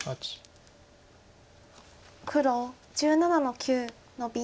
黒１７の九ノビ。